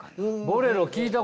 「ボレロ」